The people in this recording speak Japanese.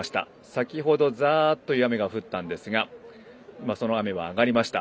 先ほどざーっという雨が降ったんですが今、その雨は上がりました。